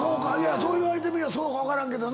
そう言われてみりゃそうかわからんけどな。